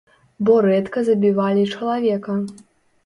Бо рэдка забівалі чалавека.